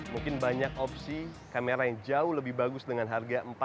mungkin banyak opsi kamera yang jauh lebih bagus dengan harga rp empat